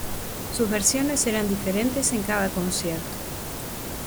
Sus versiones eran diferentes en cada concierto.